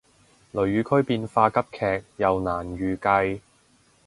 雷雨區變化急劇又難預計